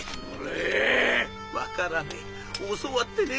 分からねえ。